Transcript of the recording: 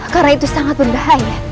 karena itu sangat berbahaya